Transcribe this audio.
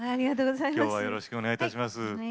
きょうはよろしくお願いいたします。